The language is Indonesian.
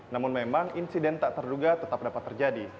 namun memang insiden tak terduga tetap dapat terjadi